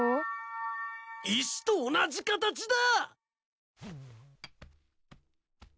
石と同じ形だ。